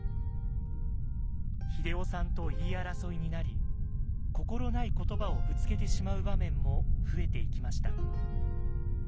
英夫さんと言い争いになり心ない言葉をぶつけてしまう場面も増えていきました。